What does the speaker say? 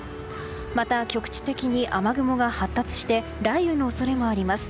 また、局地的に雨雲が発達して雷雨の恐れもあります。